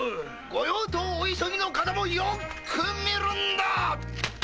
ご用とお急ぎの方もよく見るんだ！